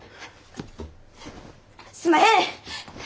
すんまへん！